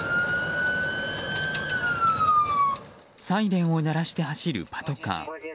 サイレンを鳴らして走るパトカー。